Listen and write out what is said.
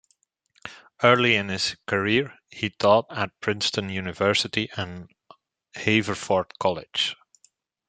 Early in his career, he taught at Princeton University and Haverford College.